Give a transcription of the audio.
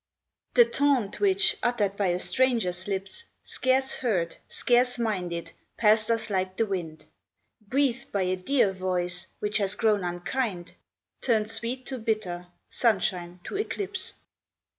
The taunt which, uttered by a stranger s lips, Scarce heard, scarce minded, passed us like the wind, Breathed by a dear voice, which has grown unkind, Turns sweet to bitter, sunshine to eclipse.